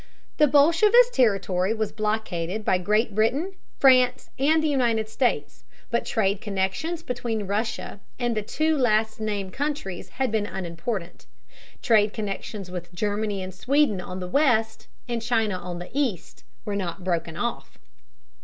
The bolshevist territory was blockaded by Great Britain, France, and the United States, but trade connections between Russia and the two last named countries had been unimportant. Trade connections with Germany and Sweden on the west, and China on the east, were not broken off.